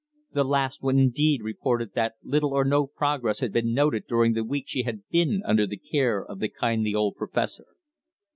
The last one indeed reported that little or no progress had been noted during the weeks she had been under the care of the kindly old professor.